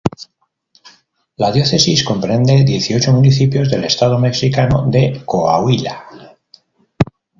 La diócesis comprende dieciocho municipios del estado mexicano de Coahuila.